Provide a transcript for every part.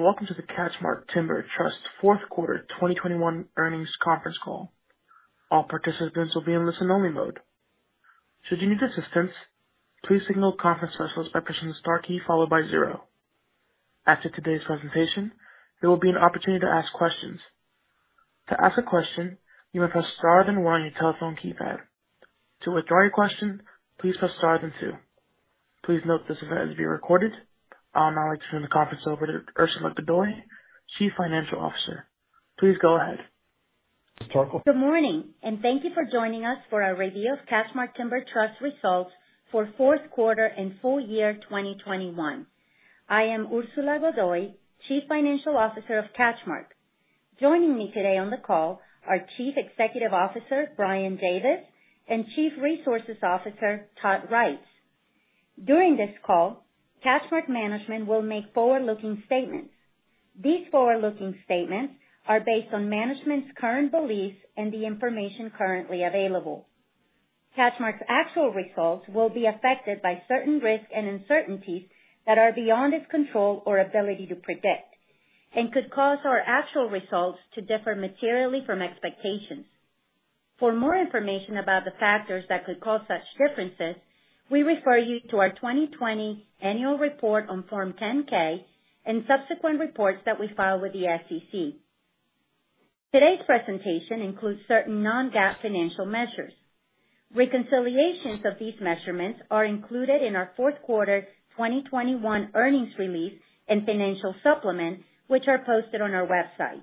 Welcome to the CatchMark Timber Trust fourth quarter 2021 earnings conference call. All participants will be in listen-only mode. Should you need assistance, please signal conference hostess by pressing star key followed by zero. After today's presentation, there will be an opportunity to ask questions. To ask a question, you may press star then one on your telephone keypad. To withdraw your question, please press star then two. Please note this event is being recorded. I'll now turn the conference over to Ursula Godoy-Arbelaez, Chief Financial Officer. Please go ahead. Good morning, and thank you for joining us for our review of CatchMark Timber Trust results for fourth quarter and full year 2021. I am Ursula Godoy-Arbelaez, Chief Financial Officer of CatchMark. Joining me today on the call are Chief Executive Officer Brian Davis and Chief Resources Officer Todd Reitz. During this call, CatchMark management will make forward-looking statements. These forward-looking statements are based on management's current beliefs and the information currently available. CatchMark's actual results will be affected by certain risks and uncertainties that are beyond its control or ability to predict, and could cause our actual results to differ materially from expectations. For more information about the factors that could cause such differences, we refer you to our 2020 annual report on Form 10-K and subsequent reports that we file with the SEC. Today's presentation includes certain non-GAAP financial measures. Reconciliations of these measurements are included in our fourth quarter 2021 earnings release and financial supplement, which are posted on our website.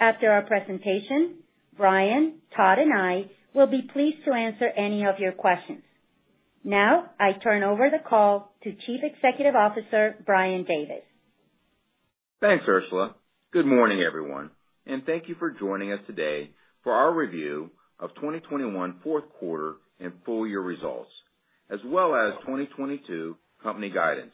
After our presentation, Brian, Todd, and I will be pleased to answer any of your questions. Now I turn over the call to Chief Executive Officer, Brian Davis. Thanks, Ursula. Good morning, everyone, and thank you for joining us today for our review of 2021 fourth quarter and full year results, as well as 2022 company guidance.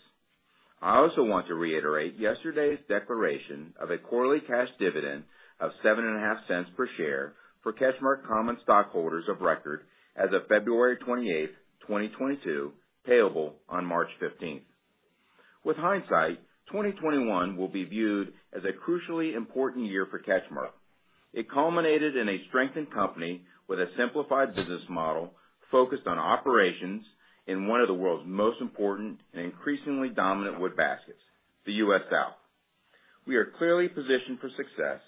I also want to reiterate yesterday's declaration of a quarterly cash dividend of $0.075 per share for CatchMark common stockholders of record as of February 28th, 2022, payable on March 15th. With hindsight, 2021 will be viewed as a crucially important year for CatchMark. It culminated in a strengthened company with a simplified business model focused on operations in one of the world's most important and increasingly dominant wood baskets, the U.S. South. We are clearly positioned for success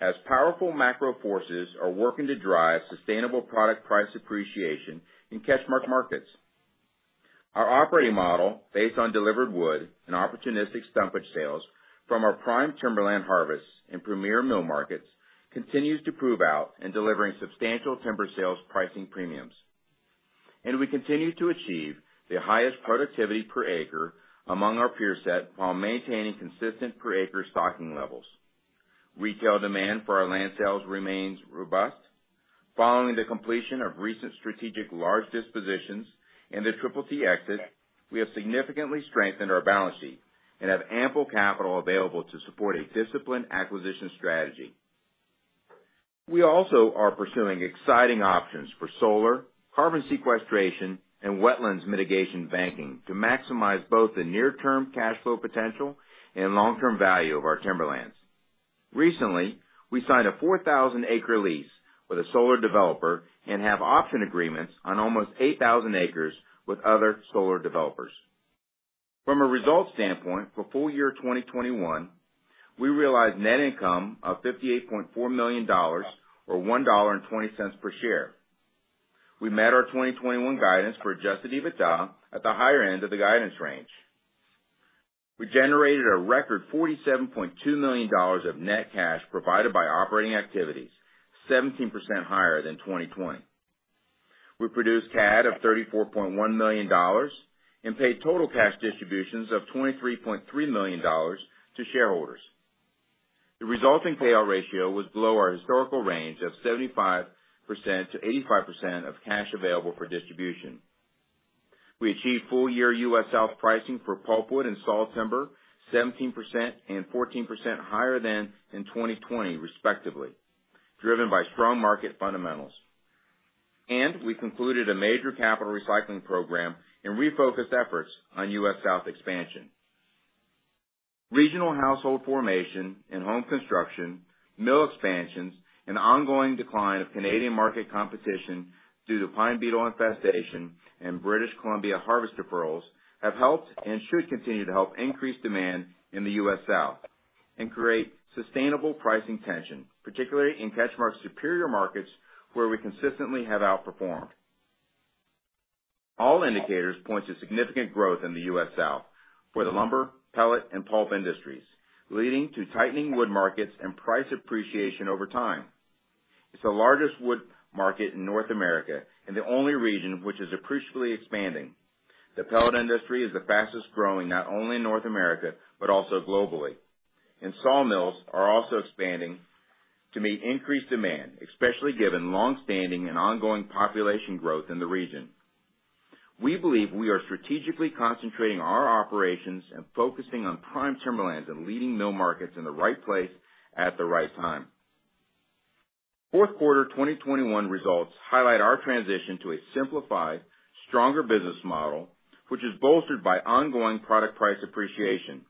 as powerful macro forces are working to drive sustainable product price appreciation in CatchMark markets. Our operating model, based on delivered wood and opportunistic stumpage sales from our prime timberland harvests and premier mill markets, continues to prove out in delivering substantial timber sales pricing premiums. We continue to achieve the highest productivity per acre among our peer set while maintaining consistent per acre stocking levels. Retail demand for our land sales remains robust. Following the completion of recent strategic large dispositions and the Triple T exit, we have significantly strengthened our balance sheet and have ample capital available to support a disciplined acquisition strategy. We also are pursuing exciting options for solar, carbon sequestration, and wetland mitigation banking to maximize both the near-term cash flow potential and long-term value of our timberlands. Recently, we signed a 4,000-acre lease with a solar developer and have option agreements on almost 8,000 acres with other solar developers. From a results standpoint, for full year 2021, we realized net income of $58.4 million or $1.20 per share. We met our 2021 guidance for adjusted EBITDA at the higher end of the guidance range. We generated a record $47.2 million of net cash provided by operating activities, 17% higher than 2020. We produced CAD of $34.1 million and paid total cash distributions of $23.3 million to shareholders. The resulting payout ratio was below our historical range of 75%-85% of cash available for distribution. We achieved full-year U.S. South pricing for pulpwood and sawtimber 17% and 14% higher than in 2020 respectively, driven by strong market fundamentals. We concluded a major capital recycling program and refocused efforts on U.S. South expansion. Regional household formation and home construction, mill expansions, and ongoing decline of Canadian market competition due to pine beetle infestation and British Columbia harvest deferrals have helped and should continue to help increase demand in the U.S. South and create sustainable pricing tension, particularly in CatchMark's superior markets where we consistently have outperformed. All indicators point to significant growth in the U.S. South for the lumber, pellet and pulp industries, leading to tightening wood markets and price appreciation over time. It's the largest wood market in North America and the only region which is appreciably expanding. The pellet industry is the fastest-growing, not only in North America, but also globally. Sawmills are also expanding to meet increased demand, especially given longstanding and ongoing population growth in the region. We believe we are strategically concentrating our operations and focusing on prime timberlands and leading mill markets in the right place at the right time. Fourth quarter 2021 results highlight our transition to a simplified, stronger business model, which is bolstered by ongoing product price appreciation.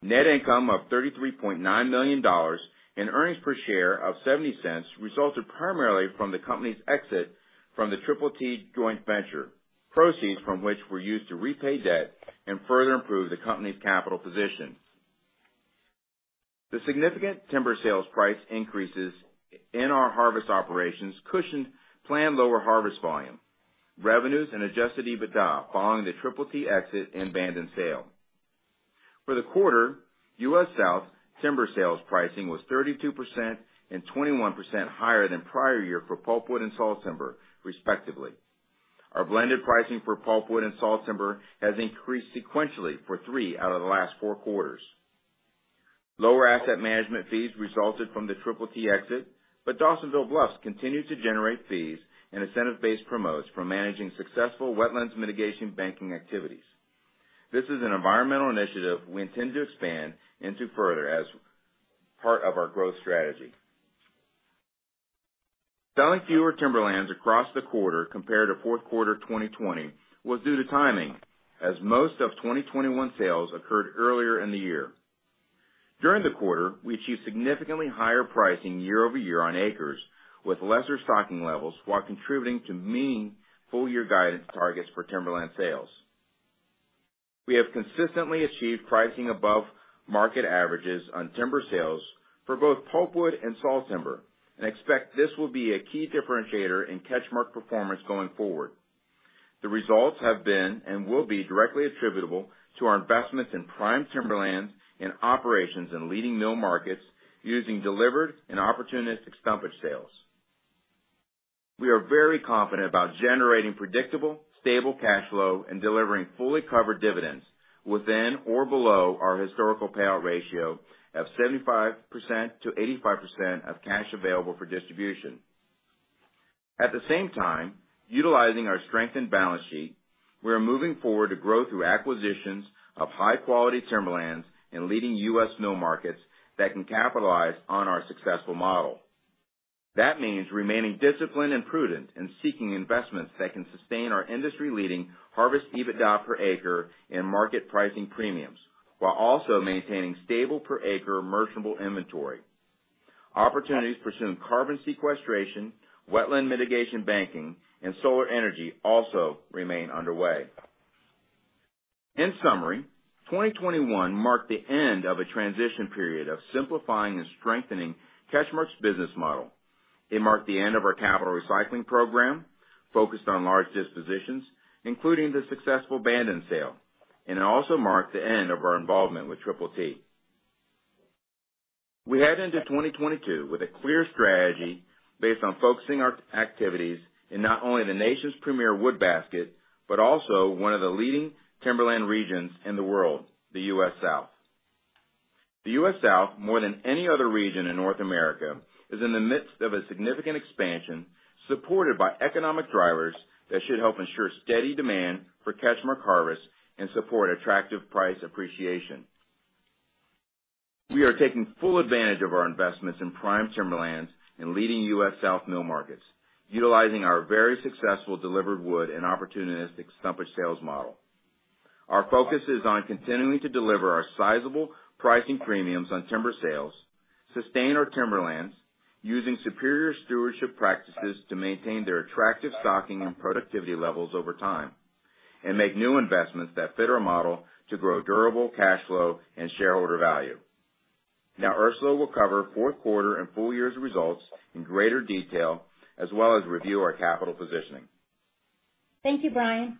Net income of $33.9 million and earnings per share of $0.70 resulted primarily from the company's exit from the Triple T joint venture, proceeds from which were used to repay debt and further improve the company's capital position. The significant timber sales price increases in our harvest operations cushioned planned lower harvest volume, revenues, and adjusted EBITDA following the Triple T exit and Bandon sale. For the quarter, U.S. South timber sales pricing was 32% and 21% higher than prior year for pulpwood and sawtimber, respectively. Our blended pricing for pulpwood and sawtimber has increased sequentially for three out of the last four quarters. Lower asset management fees resulted from the Triple T exit, but Dawsonville Bluffs continued to generate fees and incentive-based promotes from managing successful wetland mitigation banking activities. This is an environmental initiative we intend to expand into further as part of our growth strategy. Selling fewer timberlands across the quarter compared to fourth quarter 2020 was due to timing, as most of 2021 sales occurred earlier in the year. During the quarter, we achieved significantly higher pricing year-over-year on acres with lesser stocking levels, while contributing to meeting full-year guidance targets for timberland sales. We have consistently achieved pricing above market averages on timber sales for both pulpwood and sawtimber, and expect this will be a key differentiator in CatchMark's performance going forward. The results have been and will be directly attributable to our investments in prime timberlands and operations in leading mill markets using delivered and opportunistic stumpage sales. We are very confident about generating predictable, stable cash flow and delivering fully covered dividends within or below our historical payout ratio of 75%-85% of cash available for distribution. At the same time, utilizing our strengthened balance sheet, we are moving forward to grow through acquisitions of high-quality timberlands and leading U.S. mill markets that can capitalize on our successful model. That means remaining disciplined and prudent in seeking investments that can sustain our industry-leading harvest EBITDA per acre and market pricing premiums, while also maintaining stable per acre merchantable inventory. Opportunities pursuing carbon sequestration, wetland mitigation banking, and solar energy also remain underway. In summary, 2021 marked the end of a transition period of simplifying and strengthening CatchMark's business model. It marked the end of our capital recycling program focused on large dispositions, including the successful Bandon sale, and it also marked the end of our involvement with Triple T. We head into 2022 with a clear strategy based on focusing our activities in not only the nation's premier wood basket, but also one of the leading timberland regions in the world, the U.S. South. The U.S. South, more than any other region in North America, is in the midst of a significant expansion supported by economic drivers that should help ensure steady demand for CatchMark harvests and support attractive price appreciation. We are taking full advantage of our investments in prime timberlands and leading U.S. South mill markets, utilizing our very successful delivered wood and opportunistic stumpage sales model. Our focus is on continuing to deliver our sizable pricing premiums on timber sales, sustain our timberlands using superior stewardship practices to maintain their attractive stocking and productivity levels over time, and make new investments that fit our model to grow durable cash flow and shareholder value. Ursula will cover fourth quarter and full year's results in greater detail, as well as review our capital positioning. Thank you, Brian.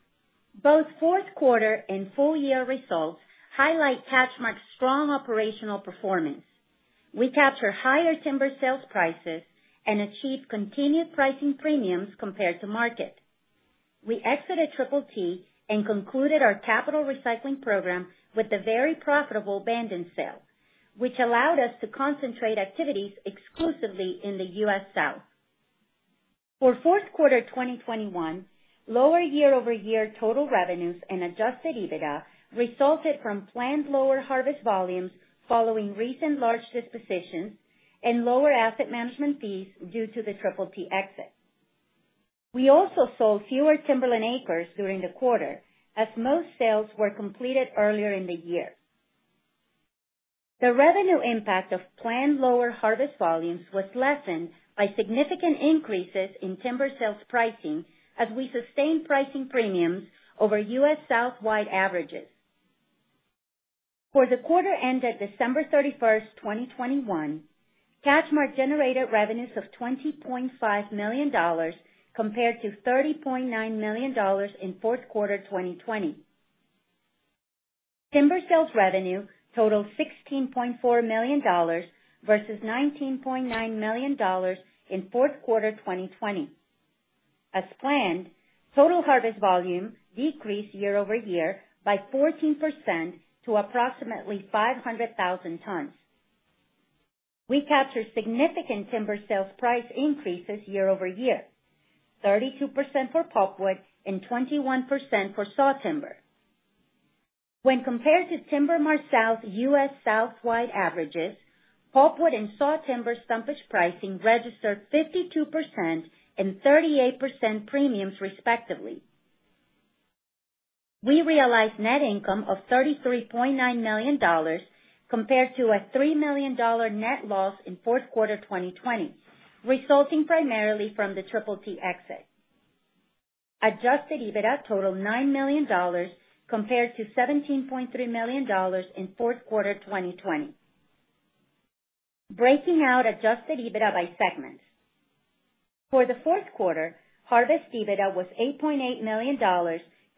Both fourth quarter and full year results highlight CatchMark's strong operational performance. We captured higher timber sales prices and achieved continued pricing premiums compared to market. We exited Triple T and concluded our capital recycling program with the very profitable Bandon sale, which allowed us to concentrate activities exclusively in the U.S. South. For fourth quarter 2021, lower year-over-year total revenues and adjusted EBITDA resulted from planned lower harvest volumes following recent large dispositions and lower asset management fees due to the Triple T exit. We also sold fewer timberland acres during the quarter, as most sales were completed earlier in the year. The revenue impact of planned lower harvest volumes was lessened by significant increases in timber sales pricing as we sustained pricing premiums over U.S. South-wide averages. For the quarter ended December 31st, 2021, CatchMark generated revenues of $20.5 million compared to $30.9 million in fourth quarter 2020. Timber sales revenue totaled $16.4 million versus $19.9 million in fourth quarter 2020. As planned, total harvest volume decreased year-over-year by 14% to approximately 500,000 tons. We captured significant timber sales price increases year-over-year, 32% for pulpwood and 21% for sawtimber. When compared to TimberMart-South's U.S. South-wide averages, pulpwood and sawtimber stumpage pricing registered 52% and 38% premiums, respectively. We realized net income of $33.9 million compared to a $3 million net loss in fourth quarter 2020, resulting primarily from the Triple T exit. Adjusted EBITDA totaled $9 million compared to $17.3 million in fourth quarter 2020. Breaking out adjusted EBITDA by segment. For the fourth quarter, Harvest EBITDA was $8.8 million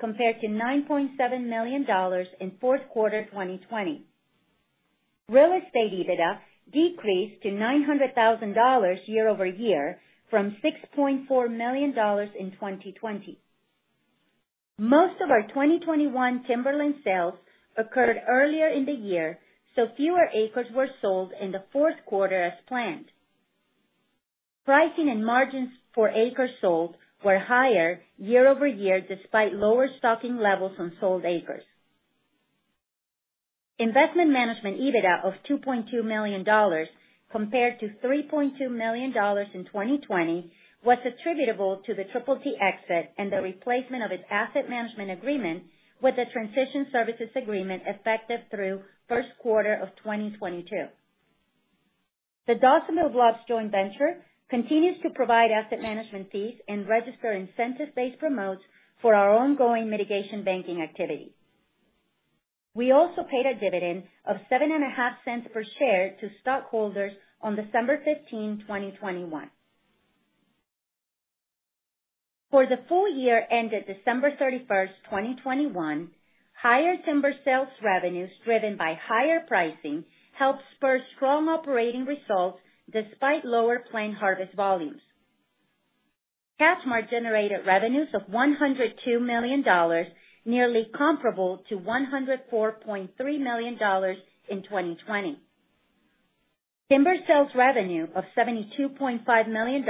compared to $9.7 million in fourth quarter 2020. Real Estate EBITDA decreased to $900 thousand year-over-year from $6.4 million in 2020. Most of our 2021 timberland sales occurred earlier in the year, so fewer acres were sold in the fourth quarter as planned. Pricing and margins for acres sold were higher year-over-year, despite lower stocking levels on sold acres. Investment Management EBITDA of $2.2 million compared to $3.2 million in 2020 was attributable to the Triple T exit and the replacement of its asset management agreement with a transition services agreement effective through first quarter of 2022. The Dawsonville Bluffs Joint Venture continues to provide asset management fees and register incentive-based promotes for our ongoing mitigation banking activity. We also paid a dividend of $0.075 per share to stockholders on December 15, 2021. For the full year ended December 31st, 2021, higher timber sales revenues driven by higher pricing helped spur strong operating results despite lower planned harvest volumes. CatchMark generated revenues of $102 million, nearly comparable to $104.3 million in 2020. Timber sales revenue of $72.5 million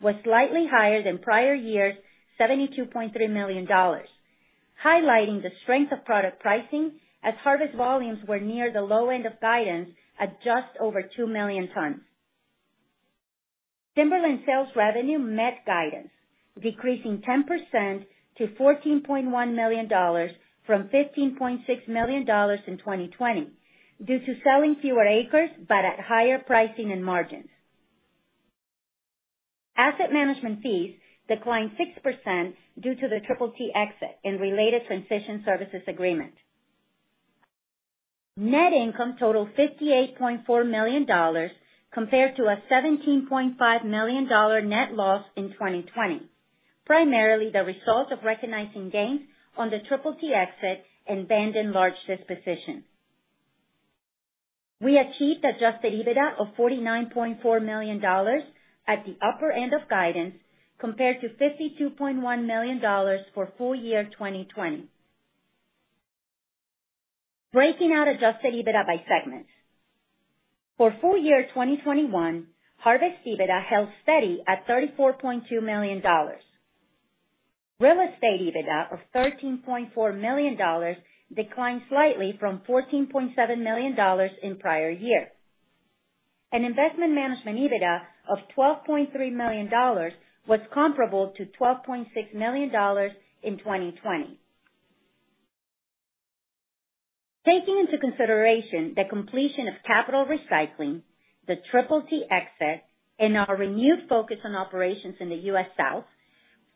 was slightly higher than prior year's $72.3 million, highlighting the strength of product pricing as harvest volumes were near the low end of guidance at just over 2 million tons. Timberland sales revenue met guidance, decreasing 10% to $14.1 million from $15.6 million in 2020 due to selling fewer acres but at higher pricing and margins. Asset Management fees declined 6% due to the Triple T exit and related transition services agreement. Net income totaled $58.4 million compared to a $17.5 million net loss in 2020, primarily the result of recognizing gains on the Triple T exit and Bandon large disposition. We achieved adjusted EBITDA of $49.4 million at the upper end of guidance, compared to $52.1 million for full year 2020. Breaking out adjusted EBITDA by segment. For full year 2021, Harvest EBITDA held steady at $34.2 million. Real Estate EBITDA of $13.4 million declined slightly from $14.7 million in prior year. Investment Management EBITDA of $12.3 million was comparable to $12.6 million in 2020. Taking into consideration the completion of capital recycling, the Triple T exit, and our renewed focus on operations in the U.S. South,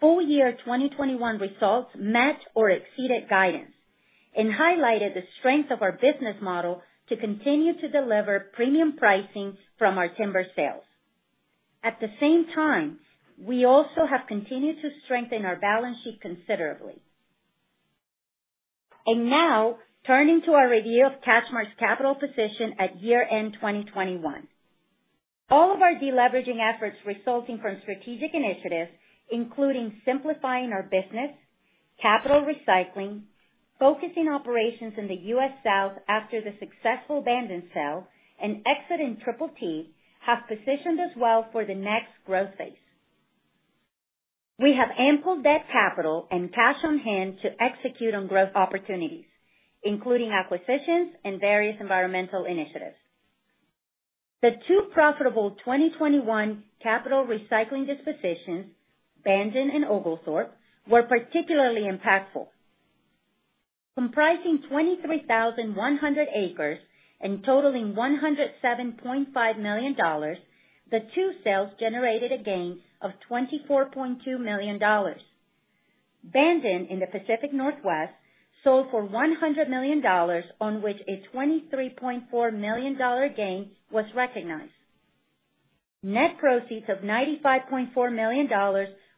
full year 2021 results matched or exceeded guidance and highlighted the strength of our business model to continue to deliver premium pricing from our timber sales. At the same time, we also have continued to strengthen our balance sheet considerably. Now, turning to our review of CatchMark's capital position at year-end 2021. All of our deleveraging efforts resulting from strategic initiatives, including simplifying our business, capital recycling, focusing operations in the U.S. South after the successful Bandon sale, and exit in Triple T have positioned us well for the next growth phase. We have ample debt capital and cash on hand to execute on growth opportunities, including acquisitions and various environmental initiatives. The two profitable 2021 capital recycling dispositions, Bandon and Oglethorpe, were particularly impactful. Comprising 23,100 acres and totaling $107.5 million, the two sales generated a gain of $24.2 million. Bandon in the Pacific Northwest sold for $100 million, on which a $23.4 million gain was recognized. Net proceeds of $95.4 million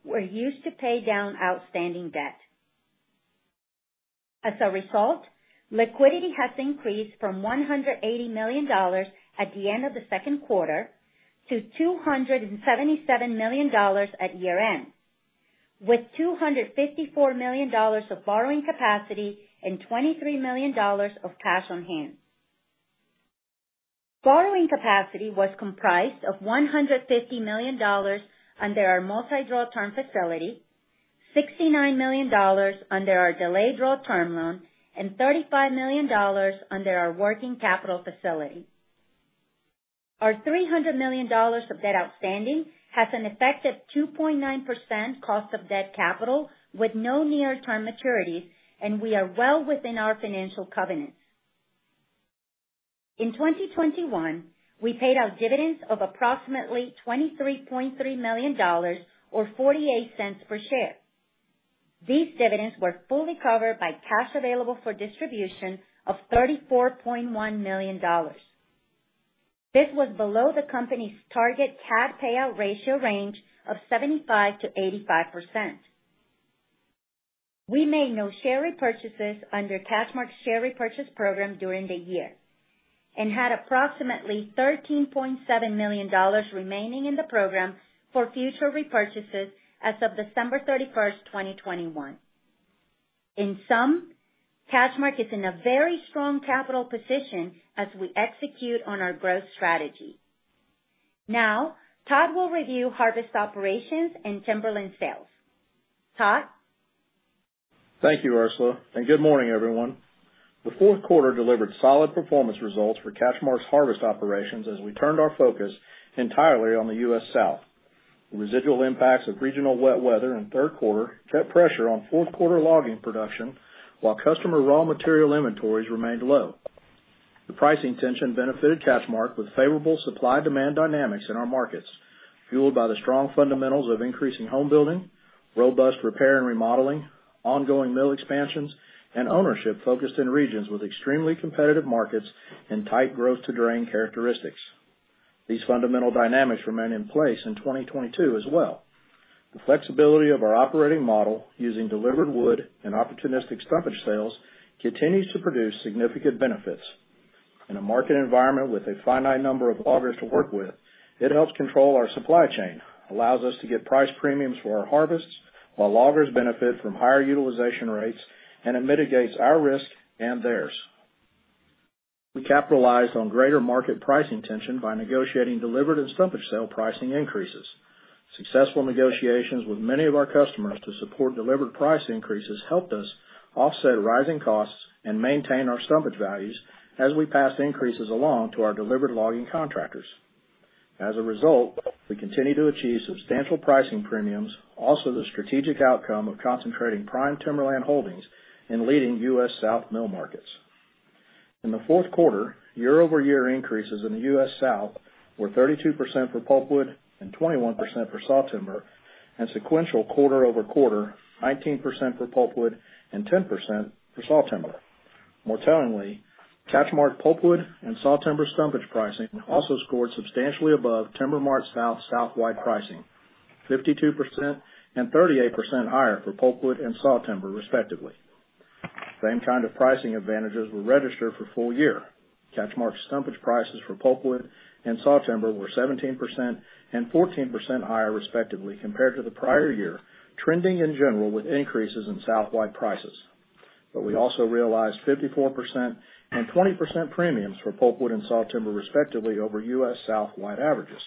were used to pay down outstanding debt. As a result, liquidity has increased from $180 million at the end of the second quarter to $277 million at year-end, with $254 million of borrowing capacity and $23 million of cash on hand. Borrowing capacity was comprised of $150 million under our multi-draw term facility, $69 million under our delayed draw term loan, and $35 million under our working capital facility. Our $300 million of debt outstanding has an effective 2.9% cost of debt capital with no near-term maturities, and we are well within our financial covenants. In 2021, we paid out dividends of approximately $23.3 million or $0.48 per share. These dividends were fully covered by cash available for distribution of $34.1 million. This was below the company's target cash payout ratio range of 75%-85%. We made no share repurchases under CatchMark's share repurchase program during the year and had approximately $13.7 million remaining in the program for future repurchases as of December 31st, 2021. In sum, CatchMark is in a very strong capital position as we execute on our growth strategy. Now Todd will review harvest operations and timberland sales. Todd? Thank you, Ursula, and good morning, everyone. The fourth quarter delivered solid performance results for CatchMark's harvest operations as we turned our focus entirely on the U.S. South. The residual impacts of regional wet weather in third quarter kept pressure on fourth quarter logging production, while customer raw material inventories remained low. The pricing tension benefited CatchMark with favorable supply-demand dynamics in our markets, fueled by the strong fundamentals of increasing home building, robust repair and remodeling, ongoing mill expansions, and ownership focused in regions with extremely competitive markets and tight growth to drain characteristics. These fundamental dynamics remain in place in 2022 as well. The flexibility of our operating model using delivered wood and opportunistic frontage sales continues to produce significant benefits. In a market environment with a finite number of loggers to work with, it helps control our supply chain, allows us to get price premiums for our harvests while loggers benefit from higher utilization rates, and it mitigates our risk and theirs. We capitalized on greater market pricing tension by negotiating delivered and frontage sale pricing increases. Successful negotiations with many of our customers to support delivered price increases helped us offset rising costs and maintain our stumpage values as we pass the increases along to our delivered logging contractors. As a result, we continue to achieve substantial pricing premiums, also the strategic outcome of concentrating prime timberland holdings in leading U.S. South mill markets. In the fourth quarter, year-over-year increases in the U.S. South were 32% for pulpwood and 21% for sawtimber, and sequential quarter-over-quarter, 19% for pulpwood and 10% for sawtimber. More tellingly, CatchMark pulpwood and sawtimber frontage pricing also scored substantially above TimberMart-South Southwide pricing, 52% and 38% higher for pulpwood and sawtimber, respectively. Same kind of pricing advantages were registered for full year. CatchMark's stumpage prices for pulpwood and sawtimber were 17% and 14% higher, respectively, compared to the prior year, trending in general with increases in Southwide prices. We also realized 54% and 20% premiums for pulpwood and sawtimber, respectively, over U.S. Southwide averages.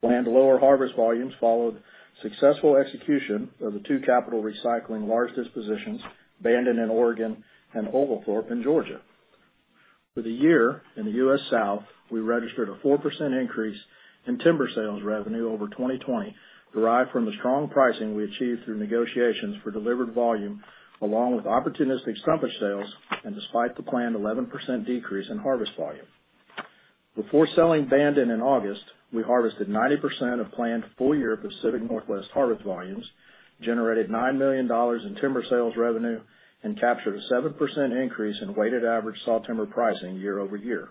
Planned lower harvest volumes followed successful execution of the two-capital recycling large dispositions, Bandon in Oregon and Oglethorpe in Georgia. For the year in the U.S. South, we registered a 4% increase in timber sales revenue over 2020, derived from the strong pricing we achieved through negotiations for delivered volume along with opportunistic frontage sales and despite the planned 11% decrease in harvest volume. Before selling Bandon in August, we harvested 90% of planned full year Pacific Northwest harvest volumes, generated $9 million in timber sales revenue, and captured a 7% increase in weighted average sawtimber pricing year-over-year.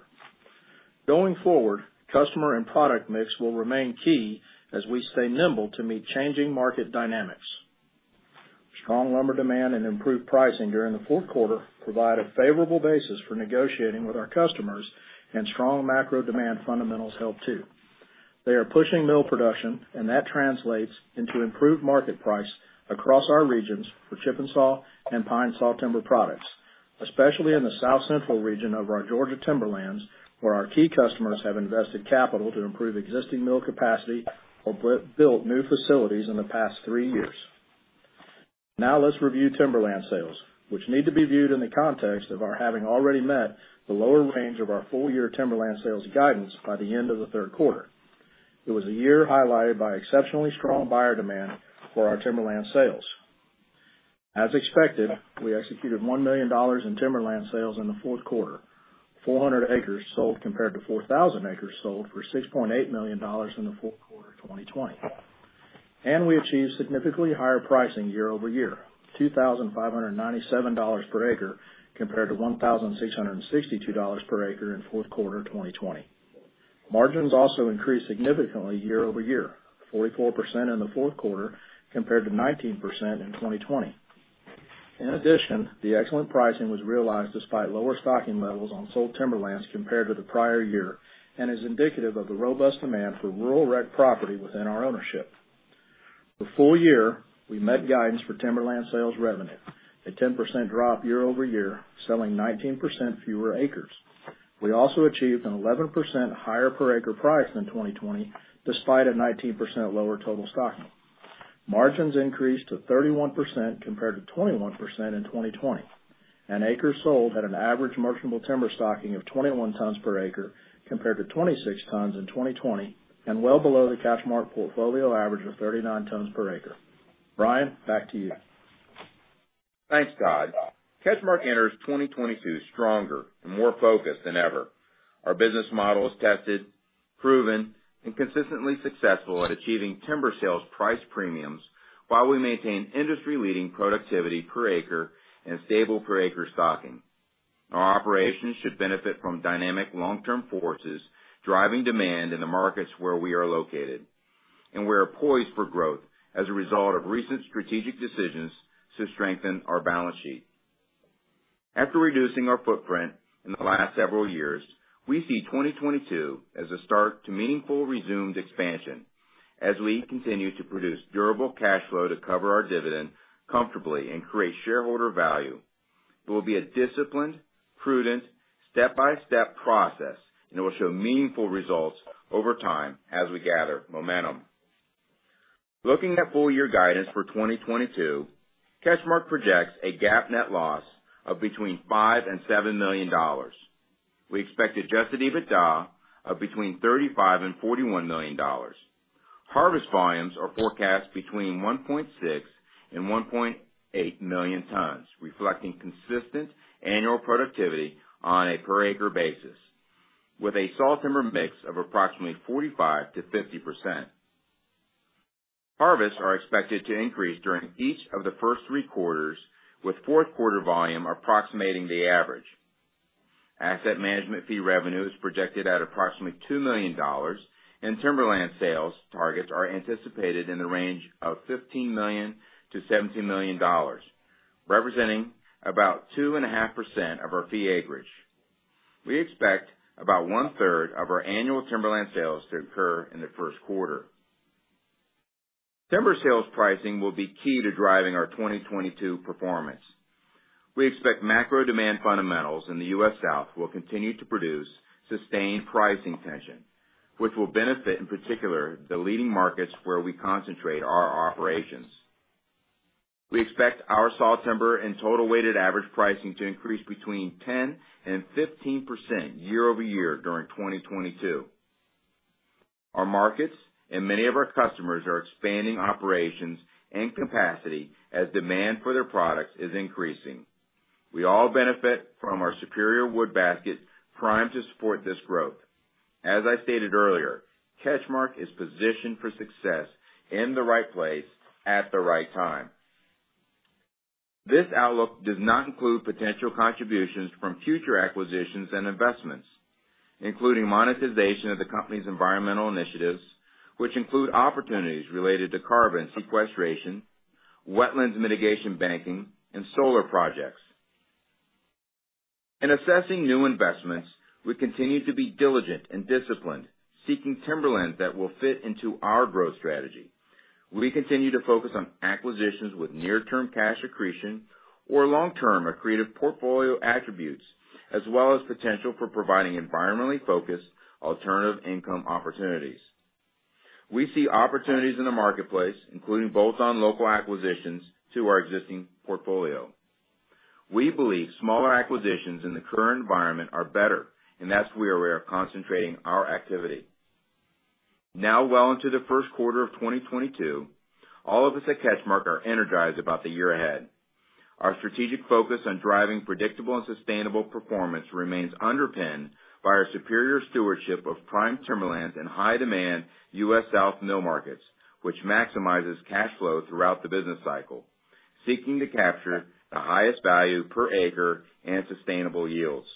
Going forward, customer and product mix will remain key as we stay nimble to meet changing market dynamics. Strong lumber demand and improved pricing during the fourth quarter provide a favorable basis for negotiating with our customers, and strong macro demand fundamentals help too. They are pushing mill production, and that translates into improved market price across our regions for chip-n-saw and pine sawtimber products, especially in the South-Central region of our Georgia timberlands, where our key customers have invested capital to improve existing mill capacity or built new facilities in the past three years. Now let's review timberland sales, which need to be viewed in the context of our having already met the lower range of our full year timberland sales guidance by the end of the third quarter. It was a year highlighted by exceptionally strong buyer demand for our timberland sales. As expected, we executed $1 million in timberland sales in the fourth quarter, 400 acres sold compared to 4,000 acres sold for $6.8 million in the fourth quarter of 2020. We achieved significantly higher pricing year over year, $2,597 per acre compared to $1,662 per acre in fourth quarter of 2020. Margins also increased significantly year over year, 44% in the fourth quarter compared to 19% in 2020. In addition, the excellent pricing was realized despite lower stocking levels on sold timberlands compared to the prior year and is indicative of the robust demand for rural rec property within our ownership. The full year, we met guidance for timberland sales revenue, a 10% drop year over year, selling 19% fewer acres. We also achieved an 11% higher per acre price than 2020 despite a 19% lower total stocking. Margins increased to 31% compared to 21% in 2020. An acre sold at an average merchantable timber stocking of 21 tons per acre compared to 26 tons in 2020 and well below the CatchMark portfolio average of 39 tons per acre. Brian, back to you. Thanks, Todd. CatchMark enters 2022 stronger and more focused than ever. Our business model is tested, proven, and consistently successful at achieving timber sales price premiums while we maintain industry-leading productivity per acre and stable per acre stocking. Our operations should benefit from dynamic long-term forces driving demand in the markets where we are located, and we are poised for growth as a result of recent strategic decisions to strengthen our balance sheet. After reducing our footprint in the last several years, we see 2022 as a start to meaningful resumed expansion as we continue to produce durable cash flow to cover our dividend comfortably and create shareholder value. It will be a disciplined, prudent, step-by-step process, and it will show meaningful results over time as we gather momentum. Looking at full year guidance for 2022, CatchMark projects a GAAP net loss of between $5 million-$7 million. We expect adjusted EBITDA of between $35 million-$41 million. Harvest volumes are forecast between 1.6-1.8 million tons, reflecting consistent annual productivity on a per acre basis with a sawtimber mix of approximately 45%-50%. Harvests are expected to increase during each of the first three quarters, with fourth quarter volume approximating the average. Asset management fee revenue is projected at approximately $2 million, and timberland sales targets are anticipated in the range of $15 million-$17 million, representing about 2.5% of our fee acreage. We expect about one-third of our annual timberland sales to occur in the first quarter. Timber sales pricing will be key to driving our 2022 performance. We expect macro demand fundamentals in the U.S. South will continue to produce sustained pricing tension, which will benefit, in particular, the leading markets where we concentrate our operations. We expect our sawtimber and total weighted average pricing to increase between 10% and 15% year-over-year during 2022. Our markets and many of our customers are expanding operations and capacity as demand for their products is increasing. We all benefit from our superior wood basket primed to support this growth. As I stated earlier, CatchMark is positioned for success in the right place at the right time. This outlook does not include potential contributions from future acquisitions and investments, including monetization of the company's environmental initiatives, which include opportunities related to carbon sequestration, wetland mitigation banking, and solar projects. In assessing new investments, we continue to be diligent and disciplined, seeking timberland that will fit into our growth strategy. We continue to focus on acquisitions with near-term cash accretion or long-term accretive portfolio attributes, as well as potential for providing environmentally focused alternative income opportunities. We see opportunities in the marketplace, including bolt-on local acquisitions to our existing portfolio. We believe smaller acquisitions in the current environment are better, and that's where we are concentrating our activity. Now, well into the first quarter of 2022, all of us at CatchMark are energized about the year ahead. Our strategic focus on driving predictable and sustainable performance remains underpinned by our superior stewardship of prime timberlands in high demand U.S. South mill markets, which maximizes cash flow throughout the business cycle, seeking to capture the highest value per acre and sustainable yields.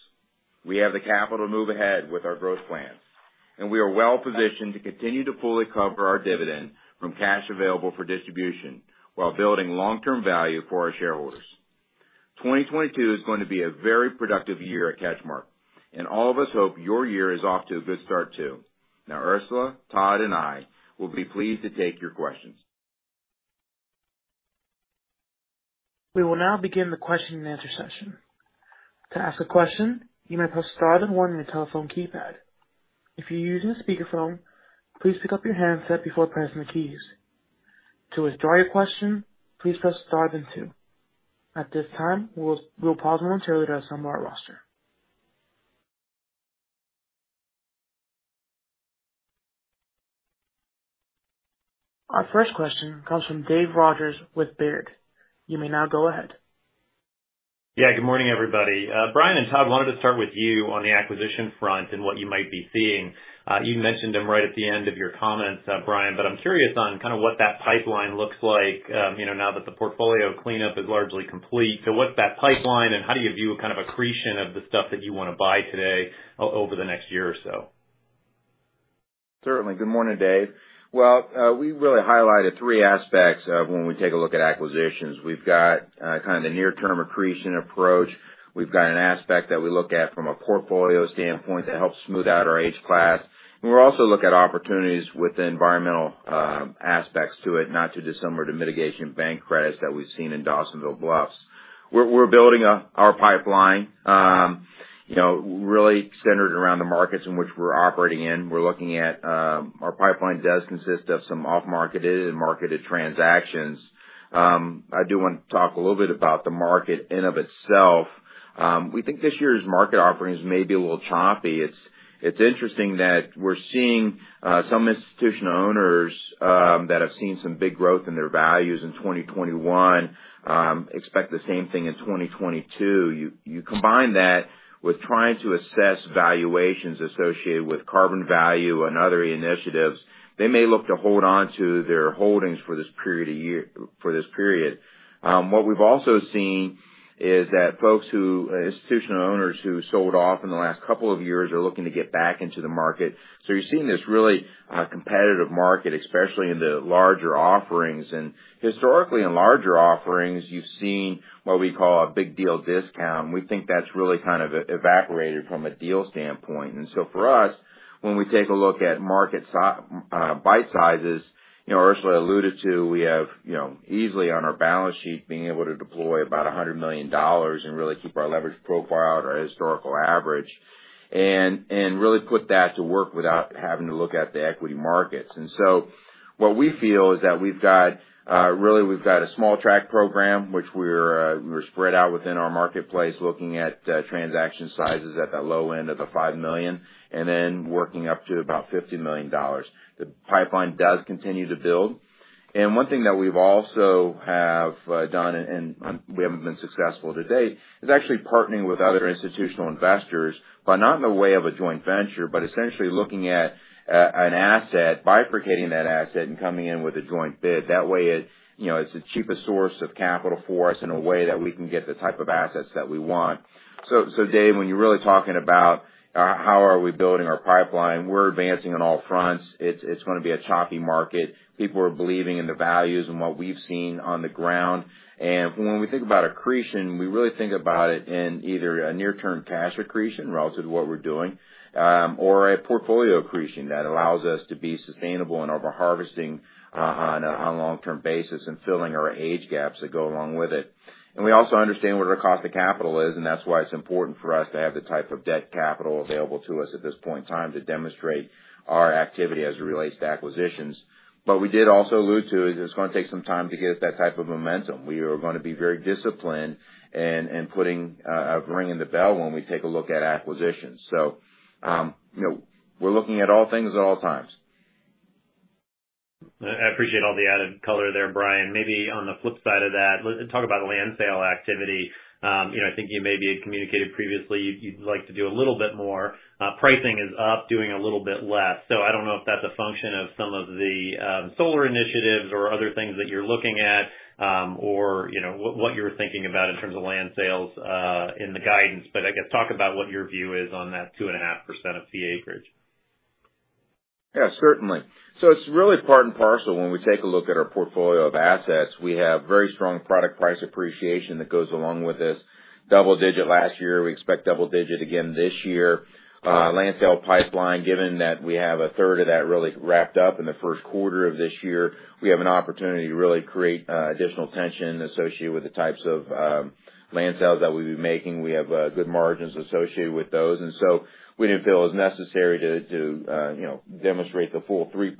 We have the capital to move ahead with our growth plans, and we are well-positioned to continue to fully cover our dividend from cash available for distribution while building long-term value for our shareholders. 2022 is going to be a very productive year at CatchMark, and all of us hope your year is off to a good start too. Now, Ursula, Todd, and I will be pleased to take your questions. We will now begin the question and answer session. To ask a question, you may press star then one on your telephone keypad. If you're using a speakerphone, please pick up your handset before pressing the keys. To withdraw your question, please press star then two. At this time, we'll pause momentarily to assemble our roster. Our first question comes from Dave Rodgers with Baird. You may now go ahead. Yeah. Good morning, everybody. Brian and Todd, wanted to start with you on the acquisition front and what you might be seeing. You mentioned them right at the end of your comments, Brian, but I'm curious on kind of what that pipeline looks like, you know, now that the portfolio cleanup is largely complete. What's that pipeline and how do you view kind of accretion of the stuff that you wanna buy today over the next year or so? Certainly. Good morning, Dave. Well, we really highlighted three aspects of when we take a look at acquisitions. We've got kind of the near-term accretion approach. We've got an aspect that we look at from a portfolio standpoint to help smooth out our age class. We're also looking at opportunities with environmental aspects to it, not too dissimilar to mitigation bank credits that we've seen in Dawsonville Bluffs. We're building our pipeline, you know, really centered around the markets in which we're operating in. We're looking at our pipeline does consist of some off-marketed and marketed transactions. I do want to talk a little bit about the market in and of itself. We think this year's market offerings may be a little choppy. It's interesting that we're seeing some institutional owners that have seen some big growth in their values in 2021 expect the same thing in 2022. You combine that with trying to assess valuations associated with carbon value and other initiatives, they may look to hold on to their holdings for this period. What we've also seen is that institutional owners who sold off in the last couple of years are looking to get back into the market. You're seeing this really competitive market, especially in the larger offerings. Historically in larger offerings, you've seen what we call a big deal discount, and we think that's really kind of evaporated from a deal standpoint. For us, when we take a look at market bite sizes, you know, Ursula alluded to, we have, you know, easily on our balance sheet being able to deploy about $100 million and really keep our leverage profile at our historical average and really put that to work without having to look at the equity markets. What we feel is that we've got a small tract program which we're spread out within our marketplace, looking at transaction sizes at the low end of $5 million and then working up to about $50 million. The pipeline does continue to build. One thing that we've also have done, and we haven't been successful to date is actually partnering with other institutional investors, but not in the way of a joint venture, but essentially looking at an asset, bifurcating that asset, and coming in with a joint bid. That way it, you know, it's the cheapest source of capital for us in a way that we can get the type of assets that we want. Dave, when you're really talking about how are we building our pipeline, we're advancing on all fronts. It's gonna be a choppy market. People are believing in the values and what we've seen on the ground. When we think about accretion, we really think about it in either a near-term cash accretion relative to what we're doing, or a portfolio accretion that allows us to be sustainable and over-harvesting, on a long-term basis and filling our age gaps that go along with it. We also understand what our cost of capital is, and that's why it's important for us to have the type of debt capital available to us at this point in time to demonstrate our activity as it relates to acquisitions. We did also allude to is it's gonna take some time to get that type of momentum. We are gonna be very disciplined and putting a ring in the bell when we take a look at acquisitions. You know, we're looking at all things at all times. I appreciate all the added color there, Brian. Maybe on the flip side of that, talk about land sale activity. You know, I think you maybe had communicated previously you'd like to do a little bit more. Pricing is up, doing a little bit less. I don't know if that's a function of some of the solar initiatives or other things that you're looking at, or you know, what you're thinking about in terms of land sales in the guidance. I guess talk about what your view is on that 2.5% of fee acreage. Yeah, certainly. It's really part and parcel when we take a look at our portfolio of assets. We have very strong product price appreciation that goes along with this, double-digit last year. We expect double-digit again this year. Our land sale pipeline, given that we have a third of that really wrapped up in the first quarter of this year, we have an opportunity to really create additional tension associated with the types of land sales that we'll be making. We have good margins associated with those. We didn't feel it was necessary to you know demonstrate the full 3%,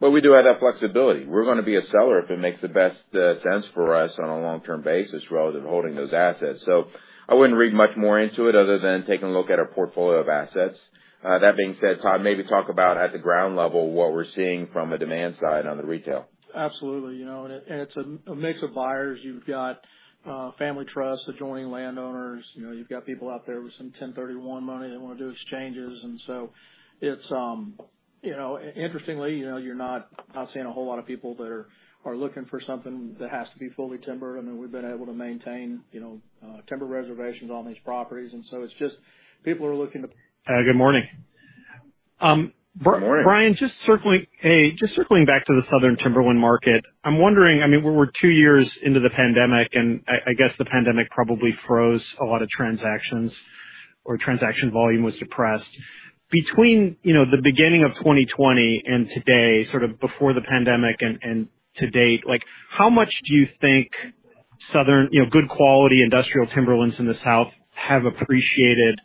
but we do have that flexibility. We're gonna be a seller if it makes the best sense for us on a long-term basis rather than holding those assets. I wouldn't read much more into it other than taking a look at our portfolio of assets. That being said, Todd, maybe talk about at the ground level what we're seeing from a demand side on the retail. Absolutely. You know, it's a mix of buyers. You've got family trusts, adjoining landowners. You know, you've got people out there with some 1031 money that wanna do exchanges. It's interestingly, you know, you're not seeing a whole lot of people that are looking for something that has to be fully timbered. I mean, we've been able to maintain, you know, timber reservations on these properties. It's just people are looking to- Good morning. Good morning. Brian, just circling back to the southern timberland market. I'm wondering, I mean, we're two years into the pandemic, and I guess the pandemic probably froze a lot of transactions or transaction volume was suppressed. Between, you know, the beginning of 2020 and today, sort of before the pandemic and to date, like, how much do you think southern, you know, good quality industrial timberlands in the South have appreciated,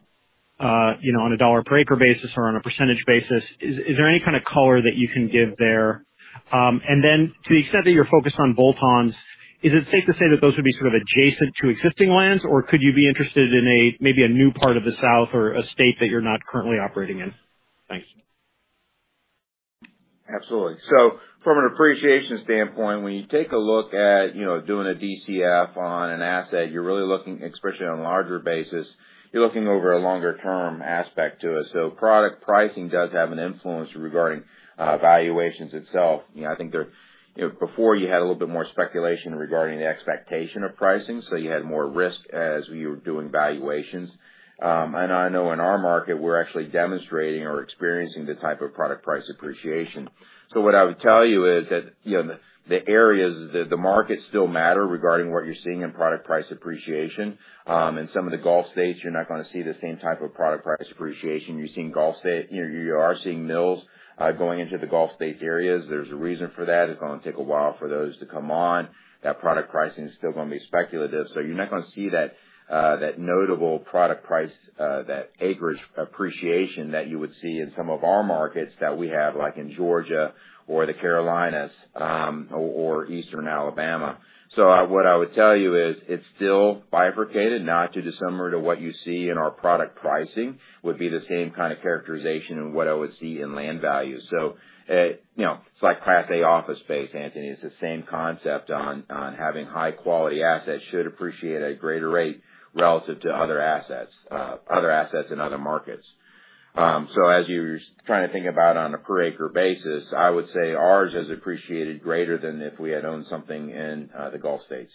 you know, on a dollar per acre basis or on a percentage basis? Is there any kind of color that you can give there? To the extent that you're focused on bolt-ons, is it safe to say that those would be sort of adjacent to existing lands, or could you be interested in a, maybe a new part of the South or a state that you're not currently operating in? Thanks. Absolutely. From an appreciation standpoint, when you take a look at, you know, doing a DCF on an asset, you're really looking, especially on a larger basis, you're looking over a longer-term aspect to it. Product pricing does have an influence regarding valuations itself. You know, I think you know, before you had a little bit more speculation regarding the expectation of pricing, so you had more risk as you were doing valuations. I know in our market, we're actually demonstrating or experiencing the type of product price appreciation. What I would tell you is that, you know, the areas, the markets still matter regarding what you're seeing in product price appreciation. In some of the Gulf States, you're not gonna see the same type of product price appreciation. You're seeing Gulf States. You are seeing mills going into the Gulf States areas. There's a reason for that. It's gonna take a while for those to come on. That product pricing is still gonna be speculative. You're not gonna see that notable product price that acreage appreciation that you would see in some of our markets that we have, like in Georgia or the Carolinas, or Eastern Alabama. What I would tell you is it's still bifurcated, not too dissimilar to what you see in our product pricing, would be the same kind of characterization in what I would see in land value. You know, it's like Class A office space, Anthony. It's the same concept on having high quality assets should appreciate a greater rate relative to other assets, other assets in other markets. As you're trying to think about on a per acre basis, I would say ours has appreciated greater than if we had owned something in the Gulf states.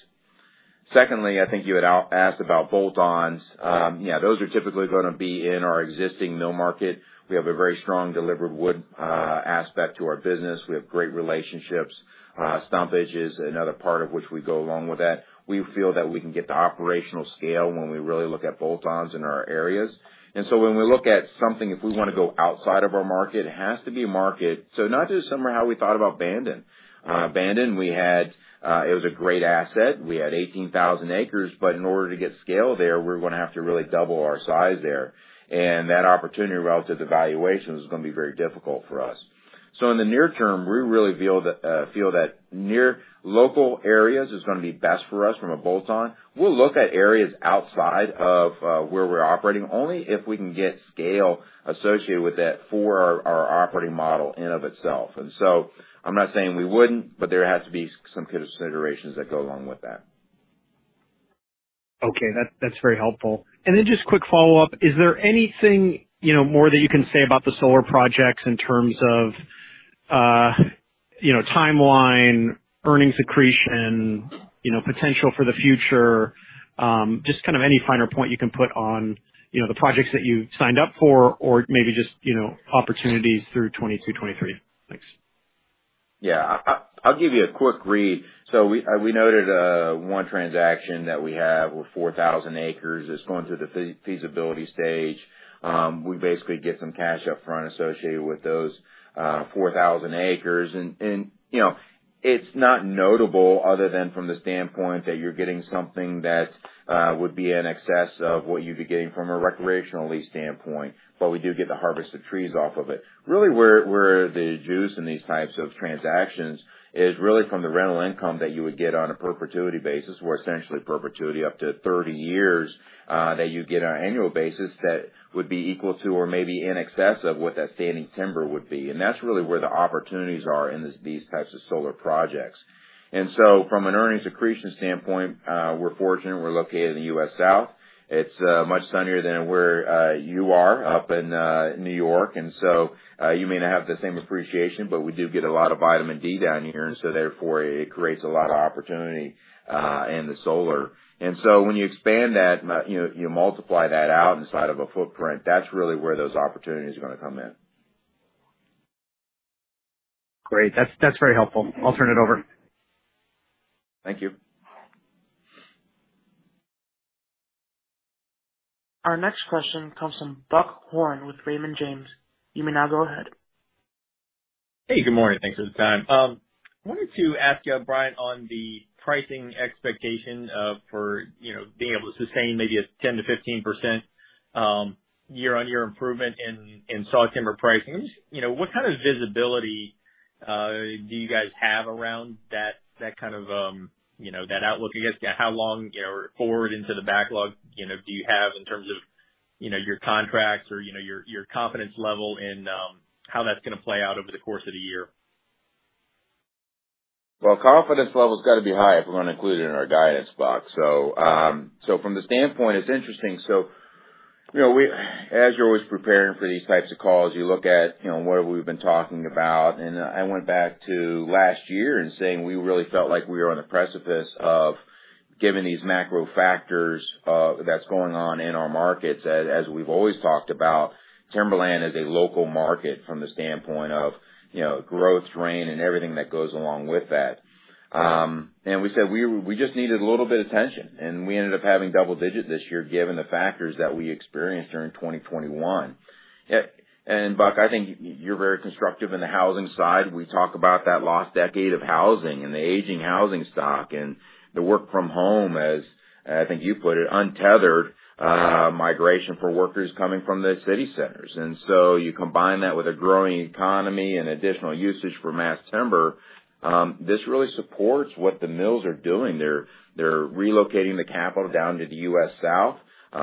Secondly, I think you had asked about bolt-ons. Yeah, those are typically gonna be in our existing mill market. We have a very strong delivered wood aspect to our business. We have great relationships. Stumpage is another part of which we go along with that. We feel that we can get to operational scale when we really look at bolt-ons in our areas. When we look at something, if we wanna go outside of our market, it has to be a market. Not dissimilar to how we thought about Bandon. Bandon, we had it was a great asset. We had 18,000 acres, but in order to get scale there, we're gonna have to really double our size there. That opportunity relative to valuation is gonna be very difficult for us. In the near term, we really feel that near local areas is gonna be best for us from a bolt-on. We'll look at areas outside of where we're operating, only if we can get scale associated with that for our operating model in and of itself. I'm not saying we wouldn't, but there has to be some considerations that go along with that. Okay. That's very helpful. Just quick follow-up. Is there anything, you know, more that you can say about the solar projects in terms of, you know, timeline, earnings accretion, you know, potential for the future? Just kind of any finer point you can put on, you know, the projects that you've signed up for or maybe just, you know, opportunities through 2022, 2023. Thanks. Yeah. I'll give you a quick read. We noted one transaction that we have with 4,000 acres. It's going through the feasibility stage. We basically get some cash up front associated with those 4,000 acres. You know, it's not notable other than from the standpoint that you're getting something that would be in excess of what you'd be getting from a recreational lease standpoint, but we do get to harvest the trees off of it. Really, where the juice in these types of transactions is really from the rental income that you would get on a perpetuity basis, or essentially perpetuity up to 30 years, that you get on an annual basis that would be equal to or maybe in excess of what that standing timber would be. That's really where the opportunities are in these types of solar projects. From an earnings accretion standpoint, we're fortunate we're located in the U.S. South. It's much sunnier than where you are up in New York. You may not have the same appreciation, but we do get a lot of vitamin D down here, and so therefore it creates a lot of opportunity in the solar. When you expand that, you know, you multiply that out inside of a footprint, that's really where those opportunities are gonna come in. Great. That's very helpful. I'll turn it over. Thank you. Our next question comes from Buck Horne with Raymond James. You may now go ahead. Hey, good morning. Thanks for the time. Wanted to ask you, Brian, on the pricing expectation for being able to sustain maybe a 10%-15% year-on-year improvement in sawtimber pricing. Just, you know, what kind of visibility do you guys have around that kind of, you know, that outlook, I guess? How long, you know, forward into the backlog, you know, do you have in terms of, you know, your contracts or, you know, your confidence level and how that's gonna play out over the course of the year? Well, confidence level's gotta be high if we're gonna include it in our guidance box. From the standpoint, it's interesting. You know, as you're always preparing for these types of calls, you look at, you know, what we've been talking about. I went back to last year in saying we really felt like we were on the precipice of seeing these macro factors that's going on in our markets. As we've always talked about, timberland is a local market from the standpoint of, you know, growth, rain, and everything that goes along with that. We said we just needed a little bit of tension, and we ended up having double-digit this year, given the factors that we experienced during 2021. Yeah. Buck, I think you're very constructive in the housing side. We talk about that lost decade of housing and the aging housing stock and the work from home as, I think you put it, untethered migration for workers coming from the city centers. You combine that with a growing economy and additional usage for mass timber. This really supports what the mills are doing. They're relocating the capital down to the U.S. South. You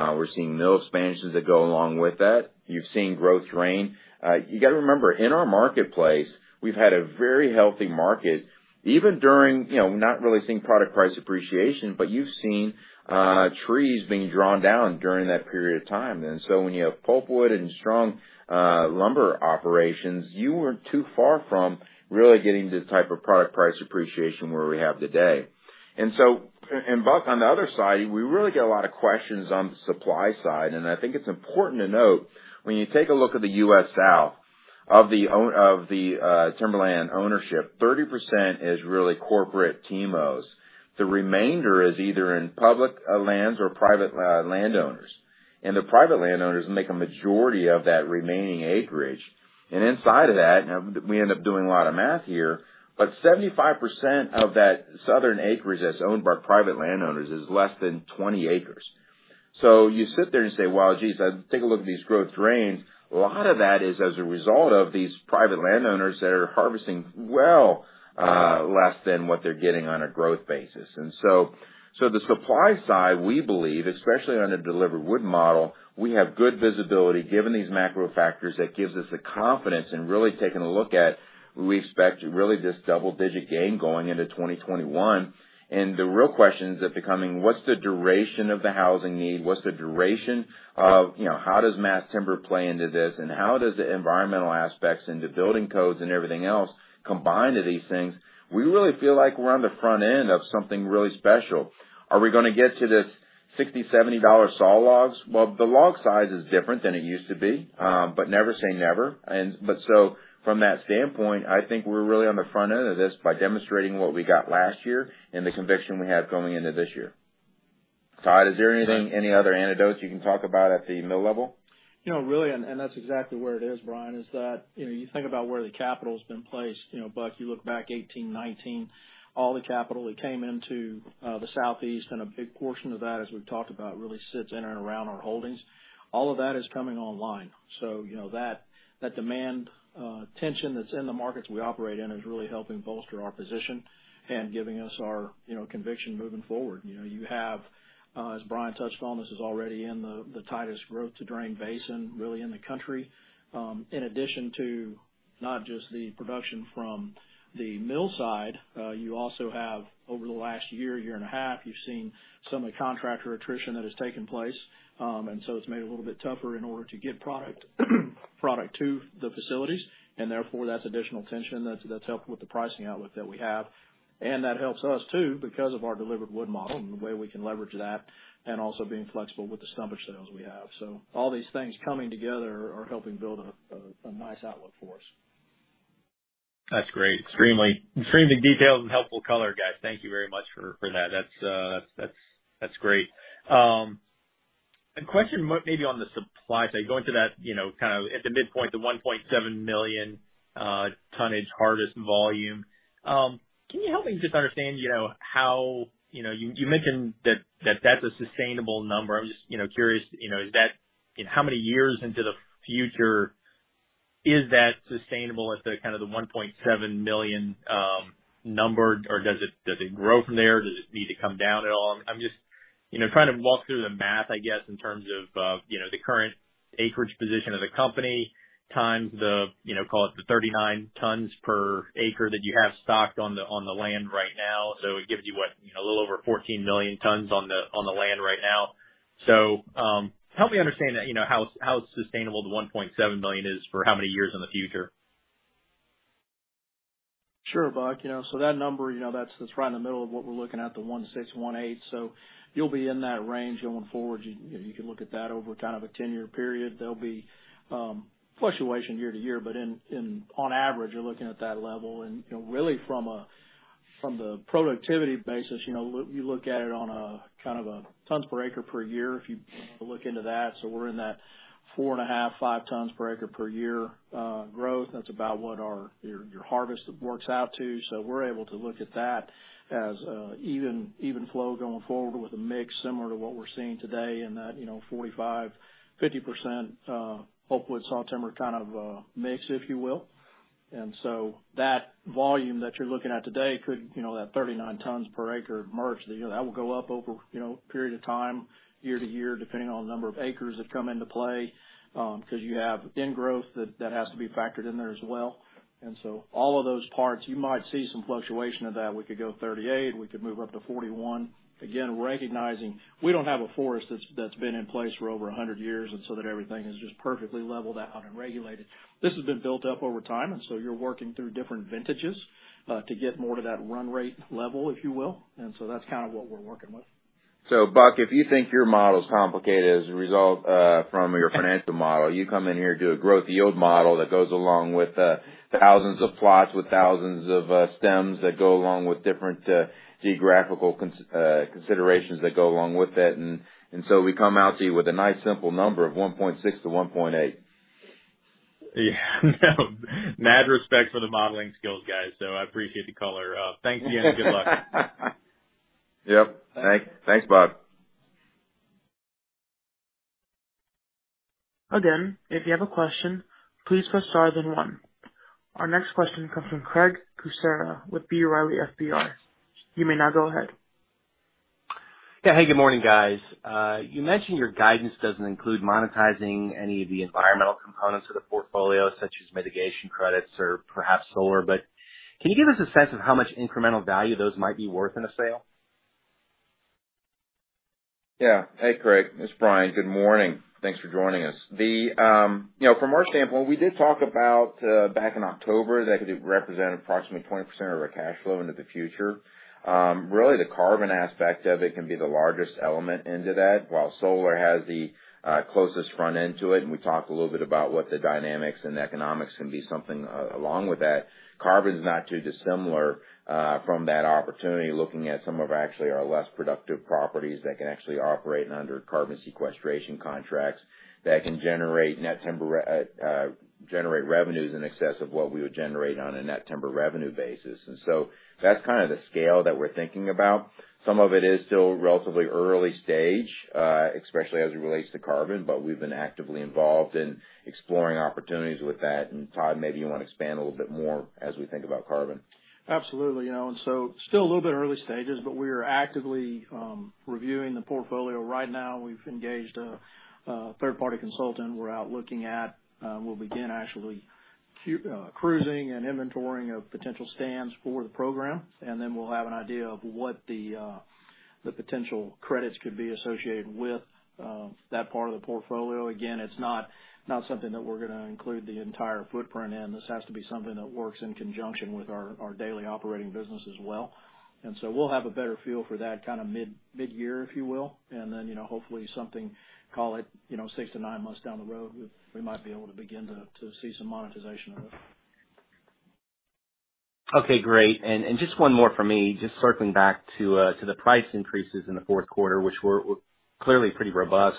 got to remember, in our marketplace, we've had a very healthy market, even during, you know, not really seeing product price appreciation, but you've seen trees being drawn down during that period of time. When you have pulpwood and strong lumber operations, you weren't too far from really getting the type of product price appreciation where we have today. Buck, on the other side, we really get a lot of questions on the supply side, and I think it's important to note when you take a look at the U.S. South, of the timberland ownership, 30% is really corporate TIMOs. The remainder is either in public lands or private landowners. The private landowners make a majority of that remaining acreage. Inside of that, now we end up doing a lot of math here, but 75% of that southern acreage that's owned by private landowners is less than 20 acres. You sit there and say, "Well, geez, I take a look at these growth to drain." A lot of that is as a result of these private landowners that are harvesting well less than what they're getting on a growth basis. The supply side, we believe, especially on a delivered wood model, we have good visibility given these macro factors that gives us the confidence in really taking a look at we expect really this double-digit gain going into 2021. The real question is becoming what's the duration of the housing need? What's the duration of, you know, how does mass timber play into this? How does the environmental aspects and the building codes and everything else combine to these things? We really feel like we're on the front end of something really special. Are we gonna get to the $60-$70 saw logs? Well, the log size is different than it used to be, but never say never. From that standpoint, I think we're really on the front end of this by demonstrating what we got last year and the conviction we have going into this year. Todd, is there anything, any other anecdotes you can talk about at the mill level? You know, really, that's exactly where it is, Brian, is that, you know, you think about where the capital's been placed, you know. Buck, you look back 18, 19, all the capital that came into the Southeast, and a big portion of that, as we've talked about, really sits in and around our holdings. All of that is coming online. You know, that demand tension that's in the markets we operate in is really helping bolster our position and giving us our, you know, conviction moving forward. You know, you have, as Brian touched on, this is already in the tightest growth to drain basin, really in the country. In addition to not just the production from the mill side, you also have over the last year and a half, you've seen some of the contractor attrition that has taken place. It's made it a little bit tougher in order to get product to the facilities, and therefore that's additional tension that's helped with the pricing outlook that we have. That helps us too because of our delivered wood model and the way we can leverage that and also being flexible with the stumpage sales we have. All these things coming together are helping build a nice outlook for us. That's great. Extremely detailed and helpful color, guys. Thank you very much for that. That's great. A question maybe on the supply side, going to that, you know, kind of at the midpoint, the 1.7 million tons harvest volume. Can you help me just understand, you know, how, you know, you mentioned that that's a sustainable number. I'm just, you know, curious, you know, is that how many years into the future is that sustainable at the, kind of the 1.7 million number? Or does it grow from there? Does it need to come down at all? I'm just, you know, trying to walk through the math, I guess, in terms of, you know, the current acreage position of the company, times the, you know, call it the 39 tons per acre that you have stocked on the land right now. It gives you what? A little over 14 million tons on the land right now. Help me understand that, you know, how sustainable the 1.7 million is for how many years in the future. Sure, Buck. You know, that number, you know, that's right in the middle of what we're looking at, the 1.6-1.8. So you'll be in that range going forward. You know, you can look at that over kind of a 10-year period. There'll be fluctuation year to year, but on average, you're looking at that level. You know, really from a productivity basis, you know, you look at it on a kind of a tons per acre per year if you look into that. So, we're in that 4.5-5 tons per acre per year growth. That's about what your harvest works out to. We're able to look at that as even flow going forward with a mix similar to what we're seeing today in that, you know, 45%-50%, hopefully, with sawtimber kind of a mix, if you will. That volume that you're looking at today could, you know, that 39 tons per acre average, that, you know, that will go up over, you know, a period of time, year to year, depending on the number of acres that come into play, because you have annual growth that has to be factored in there as well. All of those parts, you might see some fluctuation of that. We could go 38-41. Again, recognizing we don't have a forest that's been in place for over a hundred years and so that everything is just perfectly leveled out and regulated. This has been built up over time, and so you're working through different vintages to get more to that run rate level, if you will. That's kind of what we're working with. Buck, if you think your model is complicated as a result from your financial model, you come in here and do a growth yield model that goes along with thousands of plots, with thousands of stems that go along with different geographical considerations that go along with it. We come out to you with a nice simple number of 1.6-1.8. Yeah, no, mad respect for the modeling skills, guys. I appreciate the color. Thanks again. Good luck. Yep. Thanks, Buck. Again, if you have a question, please press star then one. Our next question comes from Craig Kucera with B. Riley FBR. You may now go ahead. Yeah. Hey, good morning, guys. You mentioned your guidance doesn't include monetizing any of the environmental components of the portfolio, such as mitigation credits or perhaps solar. Can you give us a sense of how much incremental value those might be worth in a sale? Yeah. Hey, Craig, it's Brian. Good morning. Thanks for joining us. You know, from our standpoint, we did talk about back in October that could represent approximately 20% of our cash flow into the future. Really, the carbon aspect of it can be the largest element into that. While solar has the closest front end to it, and we talked a little bit about what the dynamics and economics can be something along with that. Carbon is not too dissimilar from that opportunity. Looking at some of actually our less productive properties that can actually operate under carbon sequestration contracts that can generate net timber revenues in excess of what we would generate on a net timber revenue basis. That's kind of the scale that we're thinking about. Some of it is still relatively early stage, especially as it relates to carbon, but we've been actively involved in exploring opportunities with that. Todd, maybe you wanna expand a little bit more as we think about carbon. Absolutely, you know, still a little bit early stages, but we are actively reviewing the portfolio right now. We've engaged a third-party consultant we're out looking at. We'll begin actually cruising and inventorying of potential stands for the program, and then we'll have an idea of what the potential credits could be associated with that part of the portfolio. Again, it's not something that we're gonna include the entire footprint in. This has to be something that works in conjunction with our daily operating business as well. We'll have a better feel for that kind of mid-year, if you will. You know, hopefully something, call it, you know, six-nine months down the road, we might be able to begin to see some monetization of it. Okay, great. Just one more for me. Just circling back to the price increases in the fourth quarter, which were clearly pretty robust.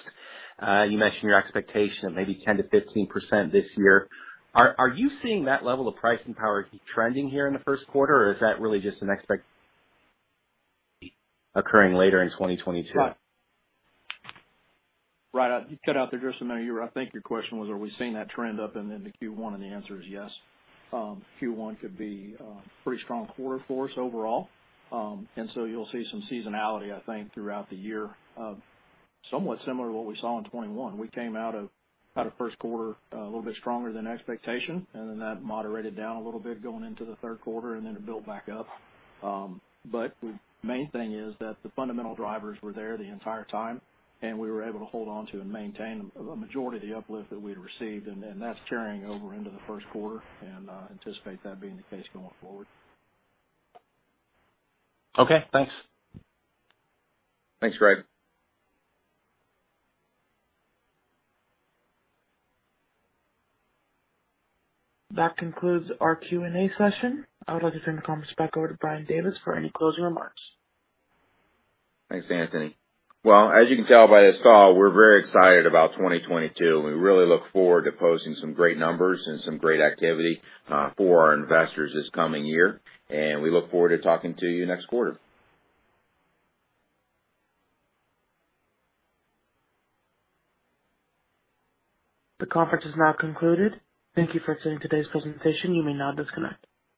You mentioned your expectation of maybe 10%-15% this year. Are you seeing that level of pricing power keep trending here in the first quarter, or is that really just an expectation occurring later in 2022? Right. You cut out there just a minute. I think your question was are we seeing that trend up in the Q1? The answer is yes. Q1 could be a pretty strong quarter for us overall. You'll see some seasonality, I think, throughout the year, somewhat similar to what we saw in 2021. We came out of first quarter a little bit stronger than expectation, and then that moderated down a little bit going into the third quarter, and then it built back up. The main thing is that the fundamental drivers were there the entire time, and we were able to hold onto and maintain a majority of the uplift that we'd received. That's carrying over into the first quarter. I anticipate that being the case going forward. Okay, thanks. Thanks, Craig. That concludes our Q&A session. I would like to turn the conference back over to Brian Davis for any closing remarks. Thanks, Anthony. Well, as you can tell by this call, we're very excited about 2022, and we really look forward to posting some great numbers and some great activity for our investors this coming year. We look forward to talking to you next quarter. The conference is now concluded. Thank you for attending today's presentation. You may now disconnect.